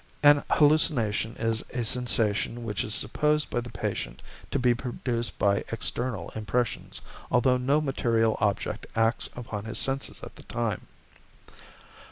An hallucination is a sensation which is supposed by the patient to be produced by external impressions, although no material object acts upon his senses at the time.